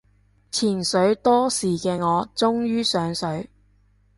潛水多時嘅我終於上水